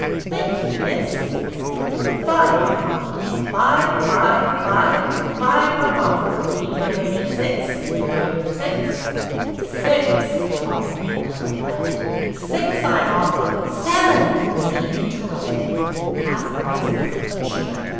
'' Thank ye, miss," he said. Five I 'm offered, flve — five — five — five I 'm offered ! Anybody make it six? Do I hear six? " 144 BETTY BAIRD'S VENTURES Six! " called out the man on the left. Six I'm offer —" Seven !" Betty interrupted him, half rising from her chair.